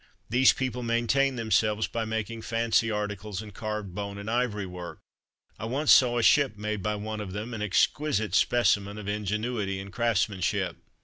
These people maintained themselves by making fancy articles, and carved bone and ivory work. I once saw a ship made by one of them an exquisite specimen of ingenuity and craftsmanship.